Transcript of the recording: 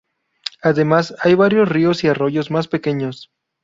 Además, hay varios ríos y arroyos más pequeños.